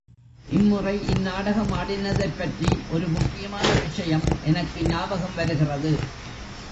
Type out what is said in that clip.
இம்முறை இந் நாடகம் ஆடினதைப்பற்றி ஒரு முக்கியமான விஷயம் எனக்கு ஞாபகம் வருகிறது.